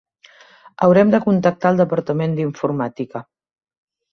Haurem de contactar al departament d'Informàtica.